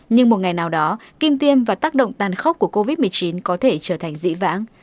nhưng một ngày nào đó kim tiêm và tác động tàn khốc của covid một mươi chín có thể trở thành dĩ vãng